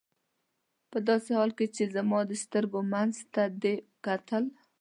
په داسې حال کې چې زما د سترګو منځ ته دې کتل.